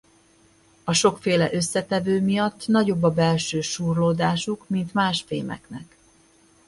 A sokféle összetevő miatt nagyobb a belső súrlódásuk mint más fémeknek.